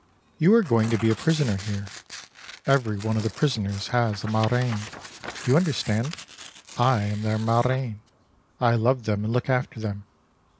"You are going to be a prisoner here. Everyone of the prisoners has a marraine, do you understand? I am their marraine. I love them and look after them.